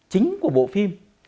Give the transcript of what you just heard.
chính của bộ phim